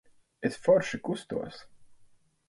Es forši kustos.